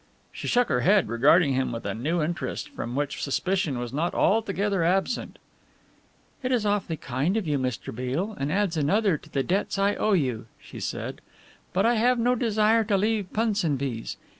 She shook her head, regarding him with a new interest, from which suspicion was not altogether absent. "It is awfully kind of you, Mr. Beale, and adds another to the debts I owe you," she said, "but I have no desire to leave Punsonby's.